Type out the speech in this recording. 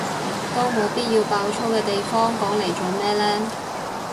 都冇必要爆粗嘅地方講嚟做咩呢？